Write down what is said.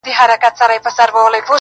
يو سړی وليدی